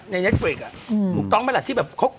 ในยังไงตัวเองอ่ะหรือต้องไม่ล่ะที่แบบ